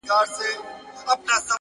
کلونه کيږي چي هغه پر دې کوڅې نه راځي’